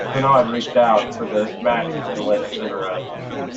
Hanaud reached out for the matches and lit a cigarette.